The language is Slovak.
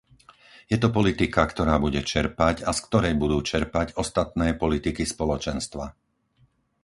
Je to politika, ktorá bude čerpať a z ktorej budú čerpať ostatné politiky Spoločenstva.